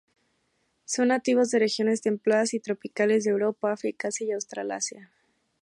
Son nativos de regiones templadas y tropicales de Europa, África, Asia y Australasia.